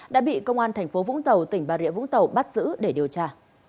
đã bị công an tp vũng tàu tỉnh bà rịa vũng tàu bắt giữ để điều tra